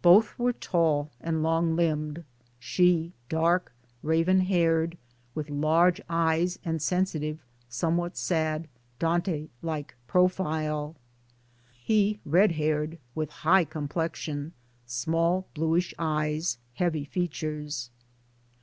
Both were tall and long limbed : she dark, raven haired, with large eyes and sensitive, somewhat sad, Dante like profile ; he red haired, with high complexion, small bluish eyes, heavy features.